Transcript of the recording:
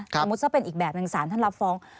สมมุติถ้าเป็นอีกแบบหนึ่งสารท่านรับฟ้อง